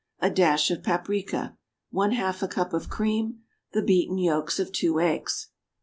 A dash of paprica. 1/2 a cup of cream. The beaten yolks of 2 eggs.